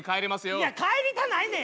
いや帰りたないねん！